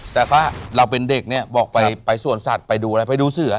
แต่ก็เราเป็นเด็กเนี่ยบอกไปสวนสัตว์ไปดูอะไรไปดูเสือ